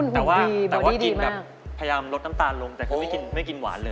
แต่ว่ากินแบบพยายามลดน้ำตาลลงแต่คือไม่กินหวานเลย